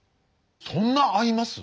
そんな合います？